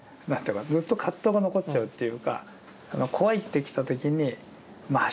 ずっと葛藤が残っちゃうっていうか怖いって来た時にまあ怖いよね